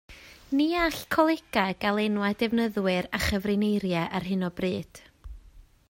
Ni all colegau gael enwau defnyddwyr a chyfrineiriau ar hyn o bryd